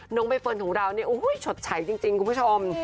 น้องใบเฟิร์นของเราเนี่ยโอ้โห้ยชดฉัยจริงคุณผู้ชม